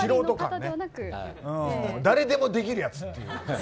誰でもできるやつっていう。